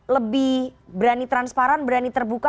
lebih berani transparan berani terbuka